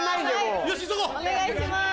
お願いします。